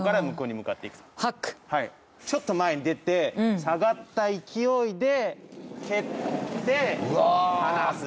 ちょっと前に出て下がった勢いで蹴って離す。